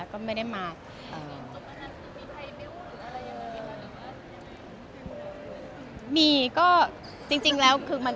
ก็ไม่ได้มีอะไรอยู่แล้วค่ะ